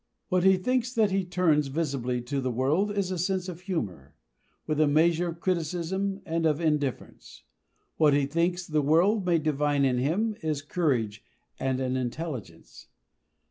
What he thinks that he turns visibly to the world is a sense of humour, with a measure of criticism and of indifference. What he thinks the world may divine in him is courage and an intelligence.